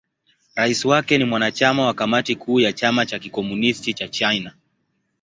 Rais wake ni mwanachama wa Kamati Kuu ya Chama cha Kikomunisti cha China.